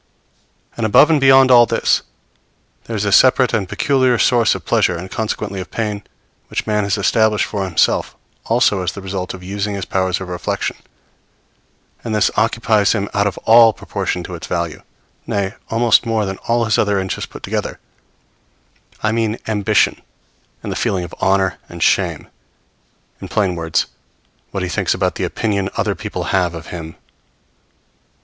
And above and beyond all this, there is a separate and peculiar source of pleasure, and consequently of pain, which man has established for himself, also as the result of using his powers of reflection; and this occupies him out of all proportion to its value, nay, almost more than all his other interests put together I mean ambition and the feeling of honor and shame; in plain words, what he thinks about the opinion other people have of him.